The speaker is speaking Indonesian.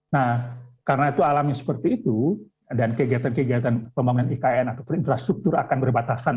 nah karena itu alamnya seperti itu dan kegiatan kegiatan pembangunan ikn ataupun infrastruktur akan berbatasan